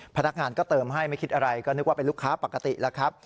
พนักงานก็เติมให้ไม่คิดอะไรก็นึกว่าเป็นลูกค้าปกติแล้วครับ